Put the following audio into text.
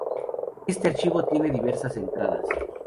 Este archivo tiene diversas entradas.